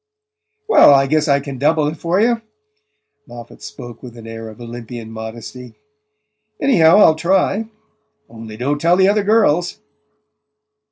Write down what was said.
"Well, I guess I can double it for you." Moffatt spoke with an air of Olympian modesty. "Anyhow, I'll try. Only don't tell the other girls!"